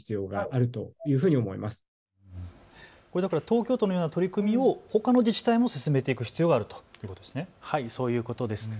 東京都のような取り組みをほかの自治体も進めていく必要があるということなんですね。